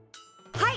はい！